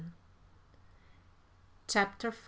CHAPTER V.